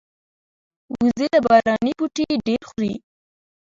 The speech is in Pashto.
وزې له باراني بوټي ډېر خوري